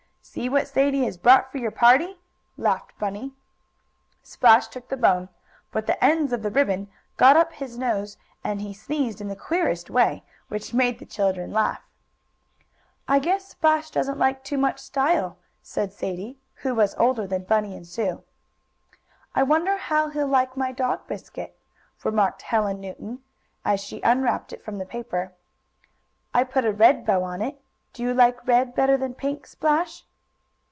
"See what Sadie has brought for your party!" laughed Bunny. Splash took the bone, but the ends of the ribbon got up his nose and he sneezed in the queerest way, which made the children laugh. "I guess Splash doesn't like too much style," said Sadie, who was older than Bunny and Sue. "I wonder how he'll like my dog biscuit," remarked Helen Newton, as she unwrapped it from the paper. "I put a red bow on it. Do you like red better than pink, Splash?"